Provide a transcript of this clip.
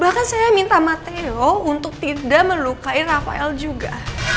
bahkan saya minta mateo untuk tidak melukai rafael juga